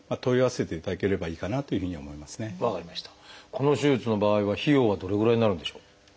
この手術の場合は費用はどれぐらいになるんでしょう？